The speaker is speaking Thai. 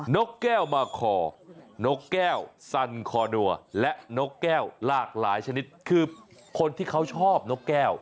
นกแก้วมาคอนกแก้วสันคอนัวและนกแก้วหลากหลายชนิดคือคนที่เขาชอบนกแก้ว